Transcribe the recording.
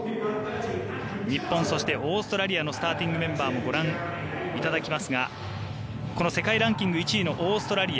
日本、そしてオーストラリアのスターティングメンバーをご覧いただきますがこの世界ランキング１位のオーストラリア。